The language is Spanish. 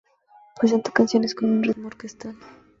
Presentó canciones con un ritmo orquestal.